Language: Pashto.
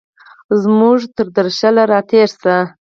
زموږ تردرشل، را تېرشي